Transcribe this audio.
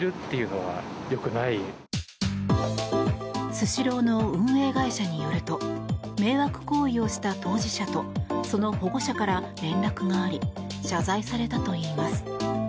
スシローの運営会社によると迷惑行為をした当事者とその保護者から連絡があり謝罪されたといいます。